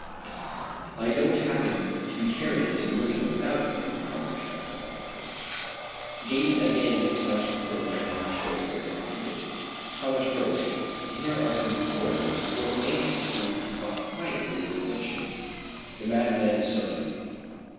"I don't happen to be carrying those millions about me," remarked the Count quietly. Gaydon again touched Roch on the shoulder and repeated: "Thomas Roch, here are some foreigners who are anxious to acquire your invention." The madman started.